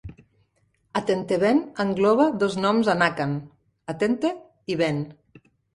Atenteben engloba dos noms en àkan: "atente" i "ben".